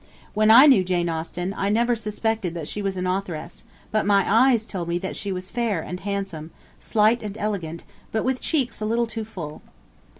When I knew Jane Austen, I never suspected that she was an authoress; but my eyes told me that she was fair and handsome, slight and elegant, but with cheeks a little too full.'